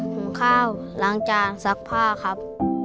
หุงข้าวล้างจานซักผ้าครับ